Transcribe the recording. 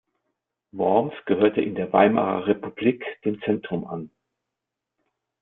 Worms gehörte in der Weimarer Republik dem Zentrum an.